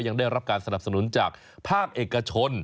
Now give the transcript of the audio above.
ยังได้รับการสนับสนุนจากภาคเอกชน